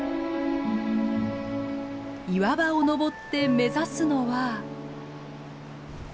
岩場を登って目指すのは。